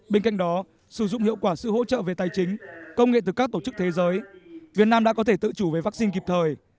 bên cạnh đó sử dụng hiệu quả sự hỗ trợ về tài chính công nghệ từ các tổ chức thế giới việt nam đã có thể tự chủ về vaccine kịp thời